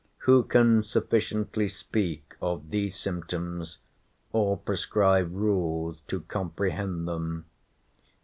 Who can sufficiently speak of these symptoms, or prescribe rules to comprehend them?